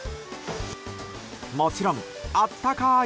もちろんあったかい